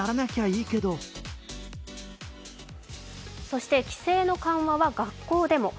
そして規制の緩和は学校でも。